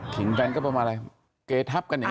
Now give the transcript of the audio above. ขิงแบรนด์ก็ประมาณอะไรเกรทับกันเนี่ย